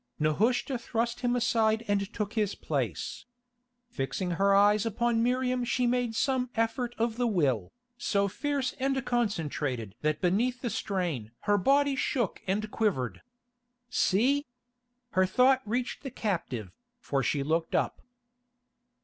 Nehushta thrust him aside and took his place. Fixing her eyes upon Miriam she made some effort of the will, so fierce and concentrated that beneath the strain her body shook and quivered. See! Her thought reached the captive, for she looked up.